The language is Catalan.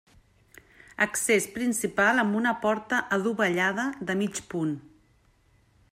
Accés principal amb una porta adovellada de mig punt.